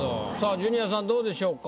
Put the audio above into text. ジュニアさんどうでしょうか？